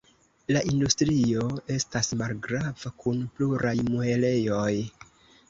La industrio estas malgrava kun pluraj muelejoj.